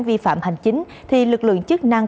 vi phạm hành chính thì lực lượng chức năng